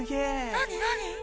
何何？